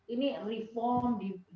ini reform dibuat